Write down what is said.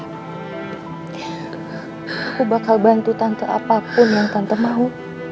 aku bakal bantu tante apapun yang tante mau